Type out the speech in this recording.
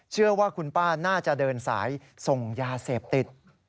เชื่อว่าคุณป้าน่าจะเดินสายส่งยาเสพติด